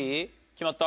決まった？